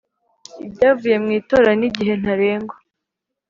Ibyavuye mu itora n igihe ntarengwa